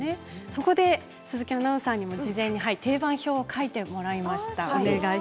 そこで鈴木アナウンサーにも事前に定番表を書いてもらいました。